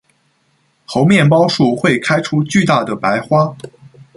猴面包树会开出巨大的白花。